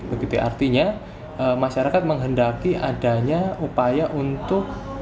begitu artinya masyarakat menghendaki adanya upaya untuk